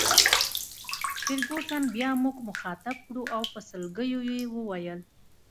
فرګوسن بیا موږ مخاطب کړو او په سلګیو یې وویل.